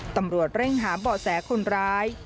ตำรวจเร่งหาเบาะแสคนร้าย